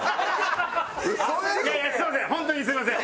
すみません。